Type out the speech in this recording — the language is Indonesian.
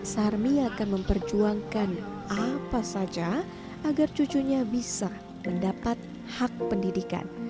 sarmi akan memperjuangkan apa saja agar cucunya bisa mendapat hak pendidikan